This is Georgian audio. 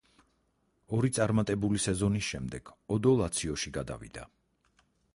ორი წარმატებული სეზონის შემდეგ ოდო ლაციოში გადავიდა.